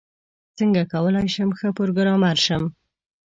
څنګه کولاي شم ښه پروګرامر شم؟